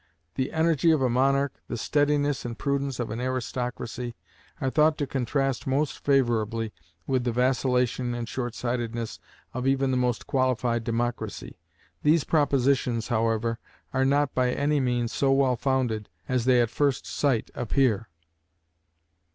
The energy of a monarch, the steadiness and prudence of an aristocracy, are thought to contrast most favorably with the vacillation and shortsightedness of even the most qualified democracy. These propositions, however, are not by any means so well founded as they at first sight appear.